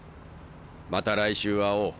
また来週会おう。